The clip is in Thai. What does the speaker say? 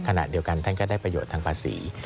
ขณะเดียวกันท่านก็ได้ประโยชน์ทางภาษี